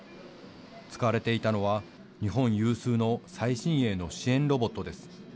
使われていたのは日本有数の最新鋭の支援ロボットです。